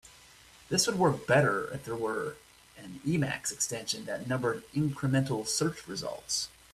This would work better if there were an Emacs extension that numbered incremental search results.